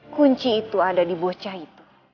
kunci itu ada di bocah itu